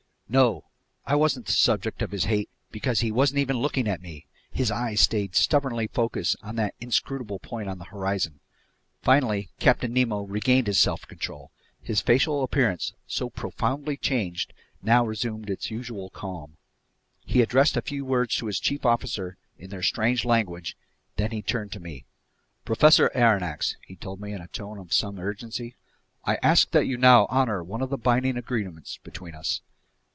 No! I wasn't the subject of his hate because he wasn't even looking at me; his eyes stayed stubbornly focused on that inscrutable point of the horizon. Finally Captain Nemo regained his self control. His facial appearance, so profoundly changed, now resumed its usual calm. He addressed a few words to his chief officer in their strange language, then he turned to me: "Professor Aronnax," he told me in a tone of some urgency, "I ask that you now honor one of the binding agreements between us."